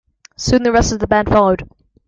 Soon, the rest of the band followed.